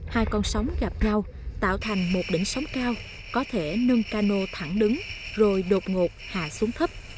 hai con sóng gặp nhau tạo thành một đỉnh sóng cao có thể nâng cano thẳng đứng rồi đột ngột hạ xuống thấp